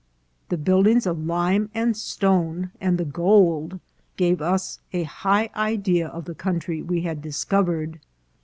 The build ings of lime and stone, and the gold, gave us a high idea of the country we had discovered."